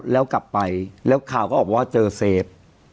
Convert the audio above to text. แล้วกลับไปแล้วข่าวก็ออกว่าเจอเซฟ